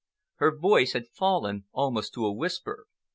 Her voice had fallen almost to a whisper.